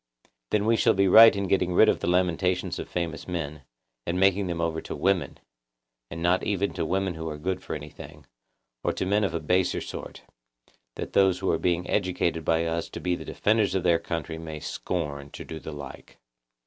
Then we shall be right in getting rid of the lamentations of famous men, and making them over to women (and not even to women who are good for anything), or to men of a baser sort, that those who are being educated by us to be the defenders of their country may scorn to do the like.